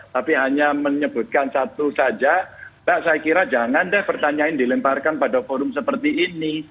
tapi hanya menyebutkan satu saja mbak saya kira jangan deh pertanyaan dilemparkan pada forum seperti ini